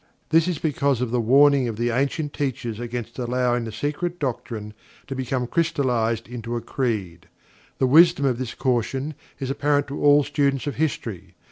This because of the warning of the ancient teachers against allowing the Secret Doctrine to become crystallized into a creed. The wisdom of this caution is apparent to all students of history.